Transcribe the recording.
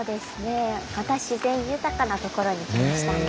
また自然豊かなところに来ましたね。